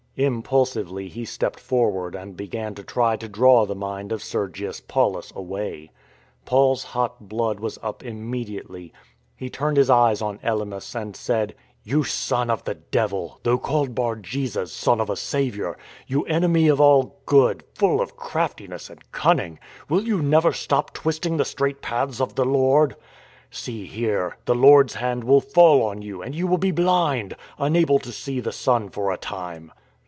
Impulsively he stepped forward and began to try to draw the mind of Sergius Paulus away. Paul's hot blood was up immediately. He turned his eyes on Elymas, and said: " You son of the devil (though called Bar jesus, Son of a Saviour), you enemy of all good, full of craftiness and cunning, will you never stop twisting the straight paths of the Lord ?" See here, the Lord's hand will fall on you and you will be blind, unable to see the sun for a time."